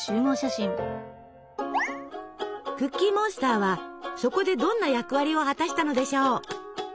クッキーモンスターはそこでどんな役割を果たしたのでしょう？